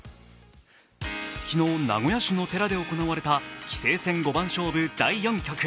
昨日、名古屋市の寺で行われた棋聖戦五番勝負第４局。